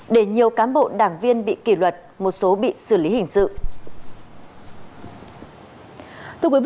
để nhiều cán bộ đảng viên bị kỷ luật một số bị xử lý hình sự